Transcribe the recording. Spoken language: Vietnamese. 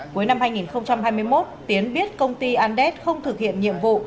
cuối năm hai nghìn hai mươi một tiến biết công ty andes không thực hiện nhiệm vụ